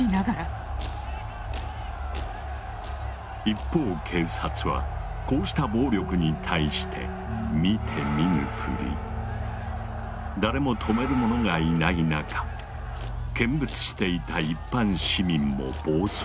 一方警察はこうした暴力に対して誰も止める者がいない中見物していた一般市民も暴走を始める。